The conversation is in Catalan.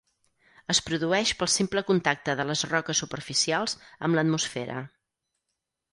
Es produeix pel simple contacte de les roques superficials amb l'atmosfera.